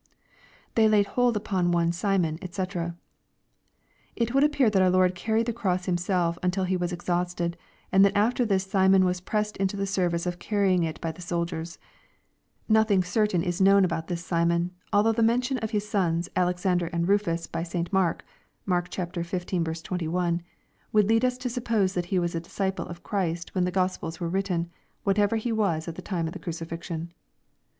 [^They lay hold upon one Shnon^ &c'\ It would appear that our Lord carried the cross Himself until He was exhausted, and that after this Simon was pressed into the service of carrying it by the soldiers. Nothing certain is known about this Simon, although the men tion of his sons, Alexander and Rufus, by St. Mark, (Mark xv. 21), would lead us to suppose that he was a disciple of Christ when the Gospels were written, whatever he was at the time of the crucifixion.